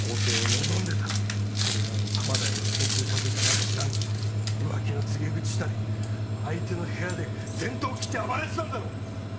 それなのに玉田への点数稼ぎかなんか知らんが浮気の告げ口したり相手の部屋で先頭切って暴れてたんだろ？